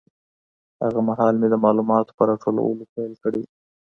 هغه مهال مي د معلوماتو په راټولولو پیل کړی و.